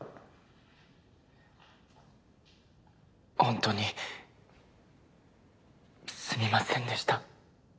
ほんとにすみませんでした。